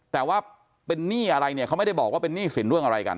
แต่ว่าเป็นหนี้อะไรเนี่ยเขาไม่ได้บอกว่าเป็นหนี้สินเรื่องอะไรกัน